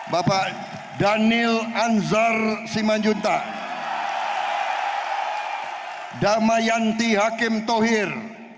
bapak daniel anzar simanjunta damayanti hakim tohir